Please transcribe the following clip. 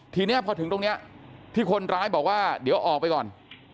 ทีนี้พอถึงตรงนี้ที่คนร้ายบอกว่าเดี๋ยวออกไปก่อน